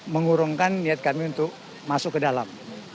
mengurungkan niat kami untuk masuk ke dalam